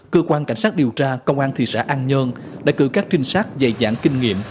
cơ quan cảnh sát điều tra công an thị xã an nhơn đã cử các trinh sát dày dặn kinh nghiệm